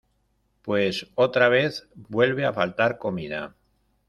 pues otra vez, vuelve a faltar comida.